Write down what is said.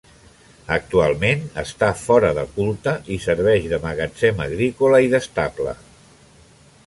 Actualment està fora de culte, i serveix de magatzem agrícola i d'estable.